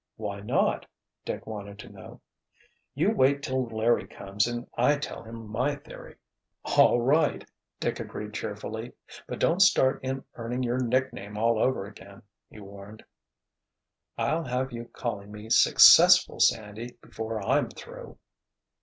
"Why not?" Dick wanted to know. "You wait till Larry comes and I tell him my theory!" "All right," Dick agreed cheerfully. "But don't start in earning your nickname all over again," he warned. "I'll have you calling me 'Successful Sandy' before I'm through."